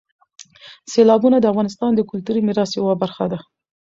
سیلابونه د افغانستان د کلتوري میراث یوه برخه ده.